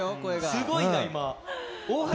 すごいな、今。